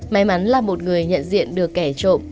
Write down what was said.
may mắn là một người nhận diện được kẻ trộm